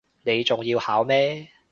你仲要考咩